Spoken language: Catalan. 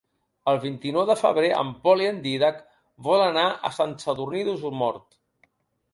El vint-i-nou de febrer en Pol i en Dídac volen anar a Sant Sadurní d'Osormort.